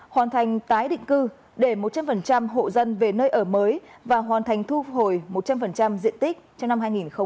hoàn thành tái định cư để một trăm linh hộ dân về nơi ở mới và hoàn thành thu hồi một trăm linh diện tích trong năm hai nghìn hai mươi